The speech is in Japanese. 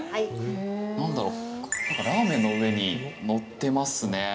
なんだろうなんかラーメンの上に乗ってますね。